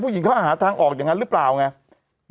หญิงเขาหาทางออกอย่างนั้นหรือเปล่าไง